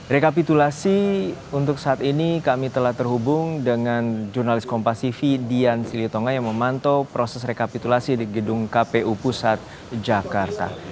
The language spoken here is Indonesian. rekapitulasi untuk saat ini kami telah terhubung dengan jurnalis kompasifi dian silitonga yang memantau proses rekapitulasi di gedung kpu pusat jakarta